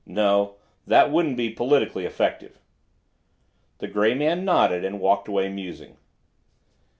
No, that wouldn't be politically effective." The gray man nodded, and walked away, musing.